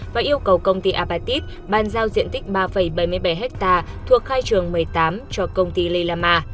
và yêu cầu công ty apatit ban giao diện tích ba bảy mươi bảy hectare thuộc khai trường một mươi tám cho công ty lilama